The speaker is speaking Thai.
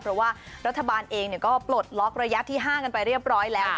เพราะว่ารัฐบาลเองก็ปลดล็อกระยะที่๕กันไปเรียบร้อยแล้ว